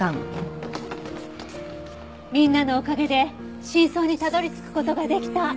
みんなのおかげで真相にたどり着く事ができた。